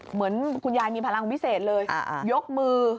เหมือนคุณยายมีพลังพิเศษเลยยกมือ